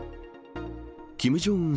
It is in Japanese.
キム・ジョンウン